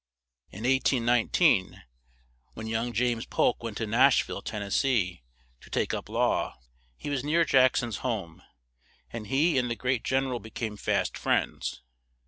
In 1819, when young James Polk went to Nash ville, Ten nes see, to take up law, he was near Jack son's home; and he and the great Gen er al be came fast friends.